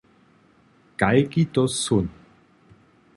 Kajki to són!